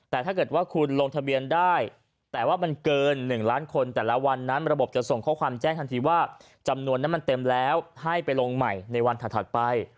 แต่ถ้าเกิดว่าคุณลงทะเบียนได้แต่ว่ามันเกิน๑ล้านคนแต่ละวันนั้นระบบจะส่งข้อความแจ้งทันทีว่าจำนวนนั้นมันเต็มแล้วให้ไปลงใหม่ในวันถัดไป